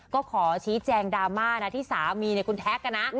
ก็ขอชี้แจงดราม่านะที่สามีเนี่ยคุณแท็กนะ